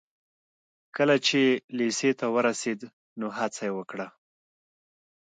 کله چې لېسې ته ورسېد نو هڅه يې وکړه.